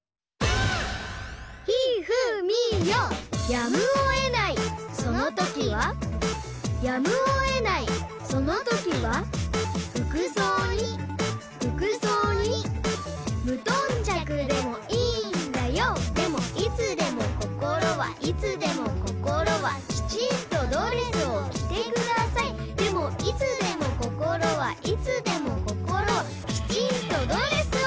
やむを得ないそのときはやむを得ないそのときは服装に服装に無頓着でもいいんだよでもいつでも心はいつでも心はきちんとドレスを着てくださいでもいつでも心はいつでも心はきちんとドレスを！